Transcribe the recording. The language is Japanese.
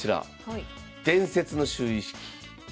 伝説の就位式。